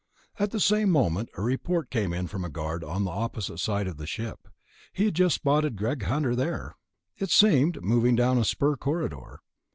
At the same moment, a report came in from a guard on the opposite side of the ship. He had just spotted Greg Hunter there, it seemed, moving down a spur corridor.